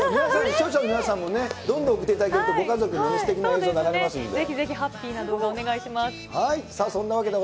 視聴者の皆さんもね、どんどん送っていただけると、ご家族のすてきな映像流れますんで。